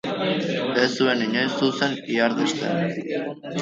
Ez zuen inoiz zuzen ihardesten